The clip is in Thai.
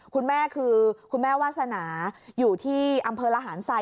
คุณแม่คือคุณแม่วาสนาอยู่ที่อำเภอระหารไซ